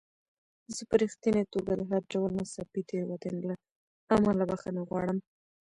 زه په رښتینې توګه د هر ډول ناڅاپي تېروتنې له امله بخښنه غواړم.